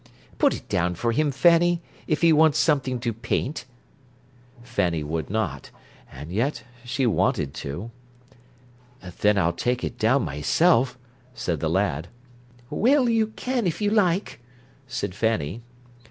Put it down for him, Fanny, if he wants something to paint." Fanny would not, and yet she wanted to. "Then I'll take it down myself," said the lad. "Well, you can if you like," said Fanny.